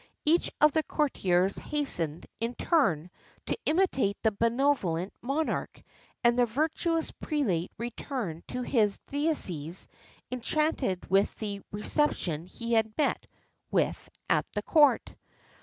Each of the courtiers hastened, in his turn, to imitate the benevolent monarch, and the virtuous prelate returned to his diocese enchanted with the reception he had met with at the court.